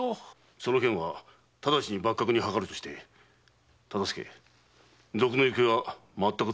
その件はただちに幕閣に諮るとして忠相賊の行方はまったく掴めぬのか。